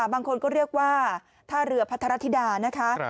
บางคนก็เรียกว่าท่าเรือพัทรธิดานะคะ